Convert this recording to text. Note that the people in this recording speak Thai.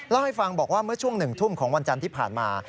เล่าให้ฟังบอกว่าเมื่อช่วง๑ทุ่มของวันจันทร์ที่ผ่านมา